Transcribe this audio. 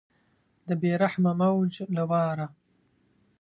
د بې رحمه موج له واره